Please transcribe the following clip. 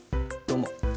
どうも。